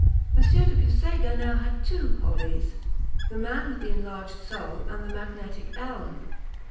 de Puysegur had now two "hobbies" the man with the enlarged soul and the magnetic elm.